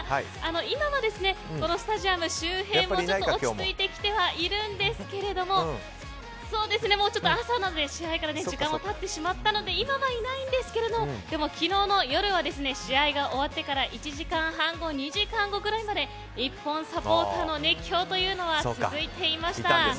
今はスタジアム周辺は落ち着いてきてはいるんですが朝なので、試合から時間が経ってしまったので今はいないんですけれども昨日の夜は試合が終わってから１時間半後、２時間後ぐらいまで日本サポーターの熱狂は続いていました。